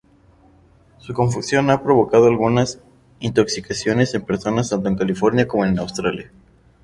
Su confusión ha provocado algunas intoxicaciones en personas tanto en California como en Australia.